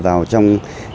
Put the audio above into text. vào trong hệ thống pháp luật